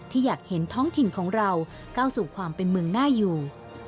อยากเห็นท้องถิ่นของเราก้าวสู่ความเป็นเมืองหน้าอยู่